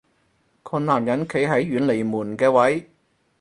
個男人企喺遠離門嘅位